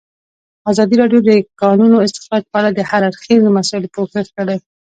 ازادي راډیو د د کانونو استخراج په اړه د هر اړخیزو مسایلو پوښښ کړی.